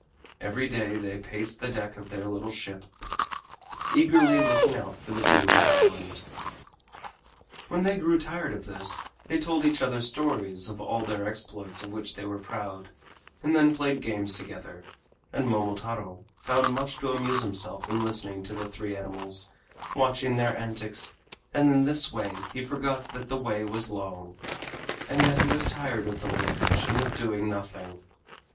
Every day they paced the deck of their little ship, eagerly looking out for the demons' island. When they grew tired of this, they told each other stories of all their exploits of which they were proud, and then played games together; and Momotaro found much to amuse him in listening to the three animals and watching their antics, and in this way he forgot that the way was long and that he was tired of the voyage and of doing nothing.